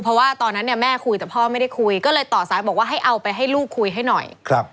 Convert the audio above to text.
เพราะว่าตอนนั้นแม่คุยแต่พ่อไม่ได้คุย